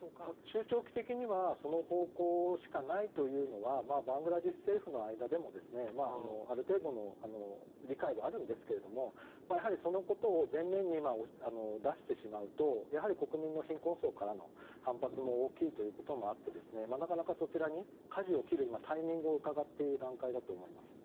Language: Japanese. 中長期的にはその方向しかないというのはバングラデシュ政府の間でもある程度の理解はあるんですけどもやはり、そのことを前面に出してしまうとやはり国民の貧困層からの反発も大きいこともあってなかなか、そちらにかじを切るタイミングをうかがっている段階だと思います。